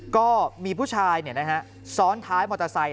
ก็มีผู้ชายเนี่ยนะฮะซ้อนท้ายมอเตอร์ไซค์